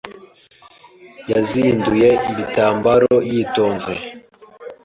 yazinduye ibitambaro yitonze.